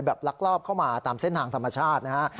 ลักลอบเข้ามาตามเส้นทางธรรมชาตินะฮะ